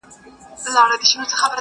زه دي په دعا کي یادومه نور,